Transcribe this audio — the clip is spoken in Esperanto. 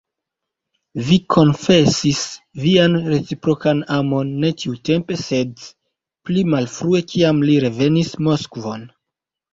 Vi konfesis vian reciprokan amon ne tiutempe, sed pli malfrue, kiam li revenis Moskvon.